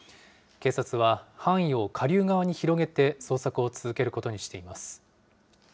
警察は範囲を下流側に広げて、捜索を続けることにしています。